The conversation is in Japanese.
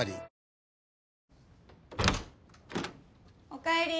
・おかえり。